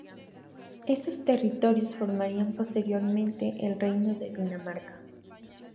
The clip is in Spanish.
Esos territorios formarían posteriormente el reino de Dinamarca.